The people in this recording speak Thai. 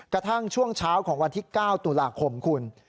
กระทั่งช่วงเช้าของวันที่๙ตุลาคมคุณ